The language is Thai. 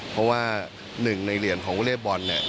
เพราะว่าหนึ่งในเหรียญของวอเลเบิ้ล